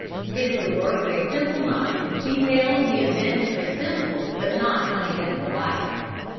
It is the work of a simple mind, detailing the events of a simple but not uneventful life.